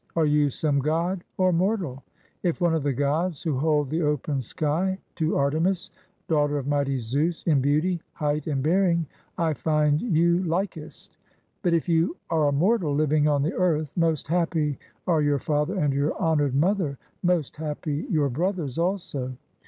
Are you some god or mortal? If one of the gods who hold the open sky, to Artemis, daughter of mighty Zeus, in beauty, height, and bearing I find you likest. But if you are a mortal living on the earth, most happy are your father and your honored mother, most happy your brothers also.